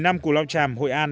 một mươi năm của lao tràm hội an